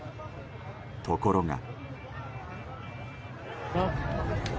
ところが。